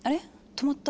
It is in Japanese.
止まった。